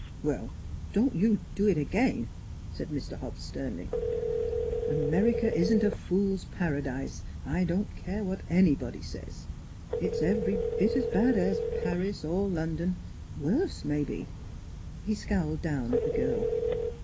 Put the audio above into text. " Well, don't you do it again," said Mr. Hobbs sternly. " America isn't a fools' paradise, I don't care what anybody says. It's every bit as bad as Paris, or London worse, maybe." He scowled down at the girl.